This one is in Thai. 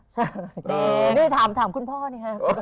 ใช่นี่ถามคุณพ่อนี่ฮะ